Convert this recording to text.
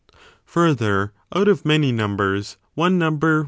Further, out of many numbers one number 2.